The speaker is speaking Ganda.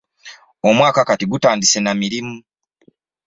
Omwaka kati tugutandise na mirimu.